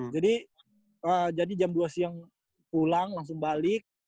jadi jam dua siang pulang langsung balik